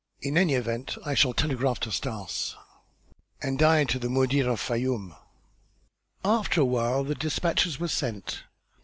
In any event, I shall telegraph to Stas." "And I to the Mudir of Fayûm." After a while the despatches were sent.